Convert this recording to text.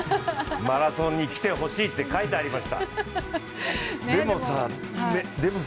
マラソンに来てほしいって書いてありました。